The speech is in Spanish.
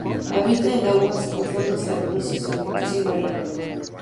Habita en aguas con fondos arenosos y vegetación marina.